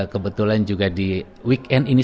kebetulan juga di weekend ini